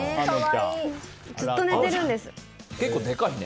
ずっと寝てるんです。